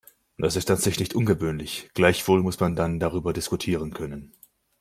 Das ist an sich nicht ungewöhnlich, gleichwohl muss man dann darüber diskutieren können.